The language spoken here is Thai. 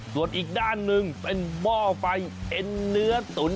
ส่วนอีกด้านหนึ่งเป็นหม้อไฟเอ็นเนื้อตุ๋น